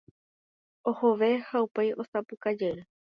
Ohove ha upéi osapukajey.